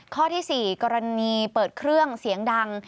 ข้อที่๔กรณีเปิดเครื่องเสียงดัง